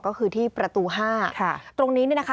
ก็คือที่ประตูห้าค่ะตรงนี้เนี่ยนะคะ